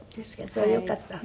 それはよかったわね。